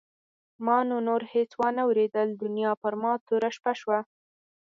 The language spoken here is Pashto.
ما نو نور هېڅ وانه ورېدل دنیا پر ما توره شپه شوه.